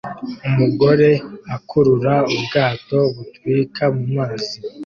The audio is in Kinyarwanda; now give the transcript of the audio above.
Umugore akurura ubwato butwika mumazi